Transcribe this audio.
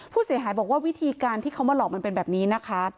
ผู้เสียหายบอกว่าวิธีการที่เขามาหลอกมันเป็นแบบนี้นะคะ